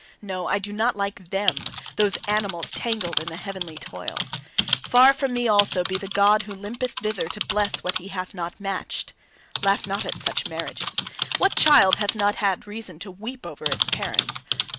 No, I do not like them, those animals tangled in the heavenly toils! Far from me also be the God who limpeth thither to bless what he hath not matched! Laugh not at such marriages! What child hath not had reason to weep over its parents?